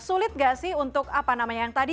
sulit gak sih untuk apa namanya yang tadi